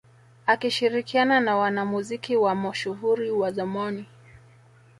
Akishirikiana na wanamuziki wa mashuhuri wa zamani